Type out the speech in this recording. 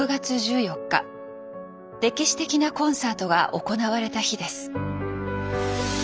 歴史的なコンサートが行われた日です。